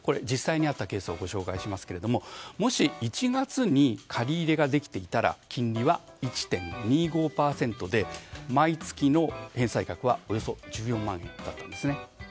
実際にあったケースをご紹介しますがもし１月に借り入れができていたら金利は１．２５％で毎月の返済額はおよそ１４万円だったんですね。